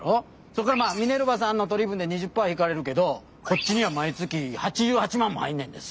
そこからまあミネルヴァさんの取り分で２０パー引かれるけどこっちには毎月８８万も入んねんで。